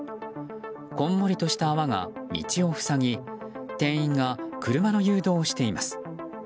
こんもりとした泡が道を塞ぎ店員が車の誘導をしています。